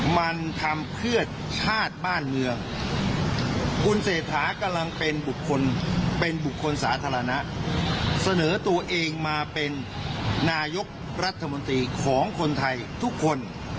มาเป็นนายกรัฐมนตรีของคนไทยทุกคน